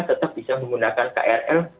tetap bisa menggunakan krl